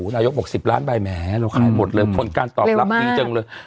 นายกบอก๑๐ล้านใบแหมเราขายหมดเลยผลการตอบรับดีจังเลย